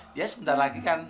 dia sebentar lagi kan